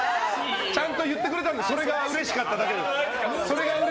ちゃんと言ってくれたんでそれがうれしかっただけです。